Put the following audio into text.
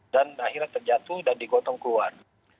dan akhirnya terjatuh dan digotong keluar